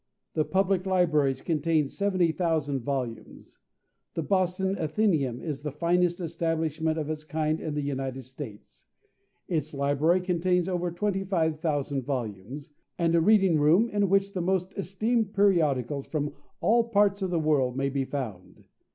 The public libraries contain 70,000 volumes. The Boston Athenæum is the finest establishment of its kind in the United States; its library contains above 25,000 volumes, and a reading room, in which the most esteemed periodicals, from all parts of the world, may be found.